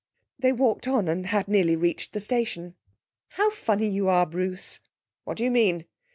They walked on and had nearly reached the station. 'How funny you are, Bruce!' 'What do you mean?